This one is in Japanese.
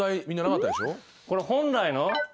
これ本来の。